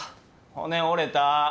骨折れた。